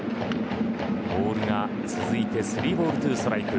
ボールが続いて３ボール２ストライク。